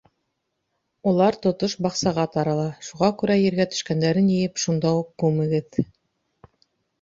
Улар тотош баҡсаға тарала, шуға күрә ергә төшкәндәрен йыйып, шунда уҡ күмегеҙ.